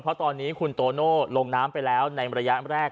เพราะตอนนี้คุณโตโน่ลงน้ำไปแล้วในระยะแรก